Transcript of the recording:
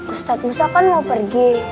ustadz nusa kan mau pergi